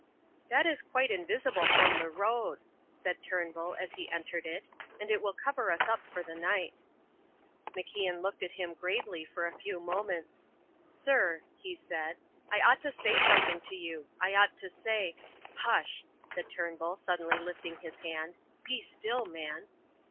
"That is quite invisible from the road," said Turnbull, as he entered it, "and it will cover us up for the night." MacIan looked at him gravely for a few moments. "Sir," he said, "I ought to say something to you. I ought to say " "Hush," said Turnbull, suddenly lifting his hand; "be still, man."